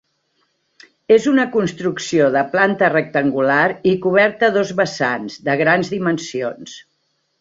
És una construcció de planta rectangular i coberta a dos vessants, de grans dimensions.